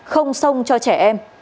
không xông cho trẻ em